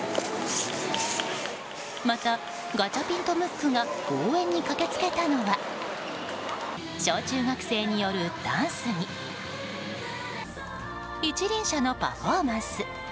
また、ガチャピンとムックが応援に駆け付けたのは小中学生によるダンスに一輪車のパフォーマンス！